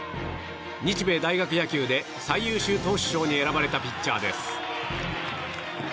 日米大学野球で最優秀投手賞に選ばれたピッチャーです。